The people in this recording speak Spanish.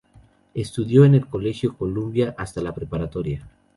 Estudió en el Colegio Columbia hasta la preparatoria.